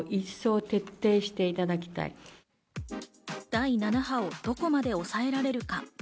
第７波をどこまで抑えられるか。